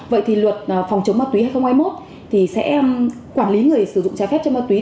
vậy thì luật phòng chống ma túy hai nghìn hai mươi một thì sẽ quản lý người sử dụng trái phép chất ma túy